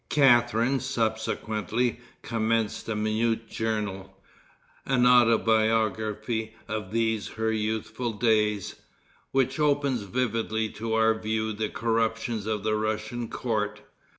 Catharine subsequently commenced a minute journal, an autobiography of these her youthful days, which opens vividly to our view the corruptions of the Russian court.